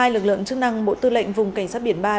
hai lực lượng chức năng bộ tư lệnh vùng cảnh sát biển ba